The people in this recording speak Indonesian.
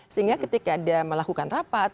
sehingga ketika dia melakukan rapat